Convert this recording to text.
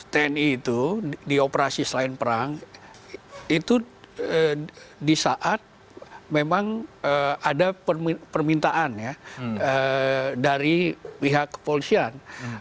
tni itu di operasi selain perang itu di saat memang ada permintaan ya dari pihak kepolisian